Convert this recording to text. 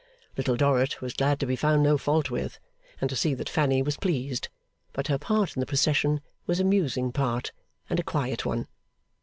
Little Dorrit was glad to be found no fault with, and to see that Fanny was pleased; but her part in the procession was a musing part, and a quiet one.